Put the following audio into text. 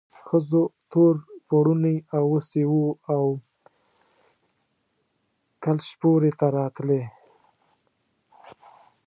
ښځو تور پوړوني اغوستي وو او کلشپورې ته راتلې.